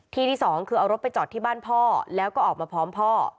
ที่ที่สองคือเอารถไปจอดที่บ้านพ่อแล้วก็ออกมาพร้อมพ่อ